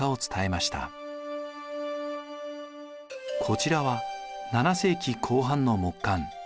こちらは７世紀後半の木簡。